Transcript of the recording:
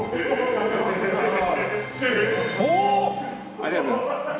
ありがとうございます。